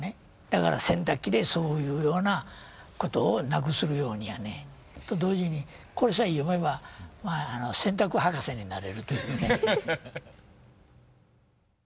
だから洗濯機でそういうようなことをなくするようにやねと同時にこれさえ読めば洗濯博士になれるというね。